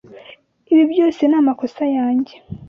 Ibi byose ni amakosa yanjye.